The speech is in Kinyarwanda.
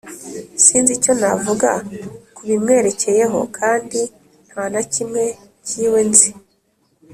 Sinzi icyo navuga kubimwerekeyeho Kandi ntanakimwe kiwe nzi